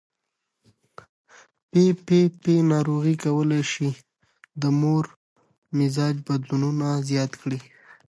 پي پي پي ناروغي کولی شي د مور مزاج بدلونونه زیات کړي.